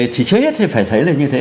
thì trước hết thì phải thấy là như thế